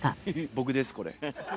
僕ですこれ。